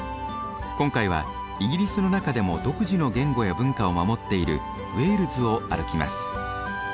今回はイギリスの中でも独自の言語や文化を守っているウェールズを歩きます。